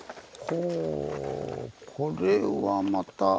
これはまた。